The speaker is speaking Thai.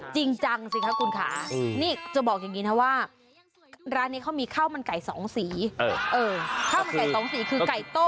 จริงจังสิคะคุณค่ะนี่จะบอกอย่างนี้นะว่าร้านนี้เขามีข้าวมันไก่สองสีข้าวมันไก่สองสีคือไก่โต้